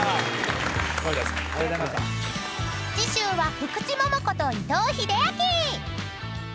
［次週は福地桃子と伊藤英明！］